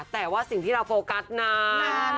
แต่ว่าสิ่งที่เราโฟกัสนั้น